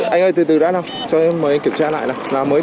anh ơi từ từ đã nào cho em mời anh kiểm tra lại nào